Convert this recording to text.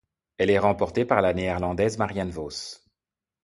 Elle est remportée par la Néerlandaise Marianne Vos.